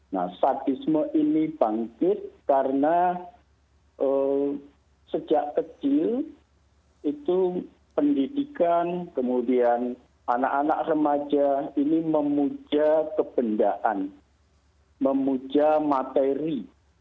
nah sadisme ini bangkit karena sejak kecil itu pendidikan kemudian anak anak remaja ini memuja kebendaan memuja materi